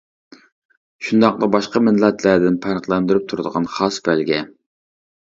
شۇنداقلا باشقا مىللەتلەردىن پەرقلەندۈرۈپ تۇرىدىغان خاس بەلگە.